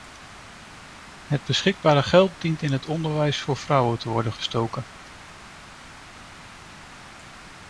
Het beschikbare geld dient in het onderwijs voor vrouwen te worden gestoken.